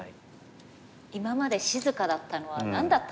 今まで静かだったのは何だったのかと。